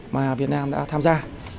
mà việt nam đã tham gia